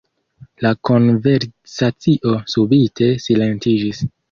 La konversacio subite silentiĝis.